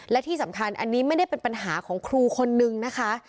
และที่สำคัญอันนี้ไม่ได้เป็นปัญหาของครูคนนึงนะคะ